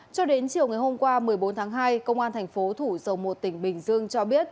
cho đến chiều ngày hôm qua một mươi bốn tháng hai công an thành phố thủ dầu một tỉnh bình dương cho biết